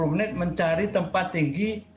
dua puluh menit mencari tempat tinggi